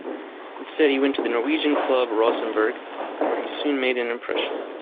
Instead, he went to the Norwegian club Rosenborg, where he soon made an impression.